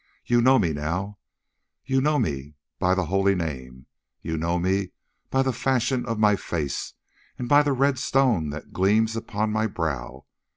Ye know me now, ye know me by the holy name, ye know me by the fashion of my face, and by the red stone that gleams upon my brow.